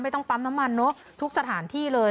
ต้องปั๊มน้ำมันเนอะทุกสถานที่เลย